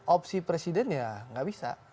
opsi presiden ya nggak bisa